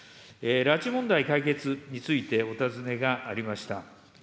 拉致問題解決についてお尋ねがありました。